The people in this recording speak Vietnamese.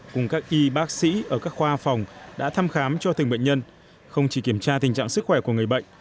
cùng các y bác sĩ ở các khoa phòng đã thăm khám cho từng bệnh nhân không chỉ kiểm tra tình trạng sức khỏe của người bệnh